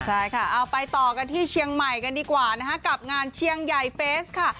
ใช่ค่ะเอาไปต่อกันที่เชียงใหม่กันดีกว่านะคะกับงานเชียงใหญ่เฟสค่ะ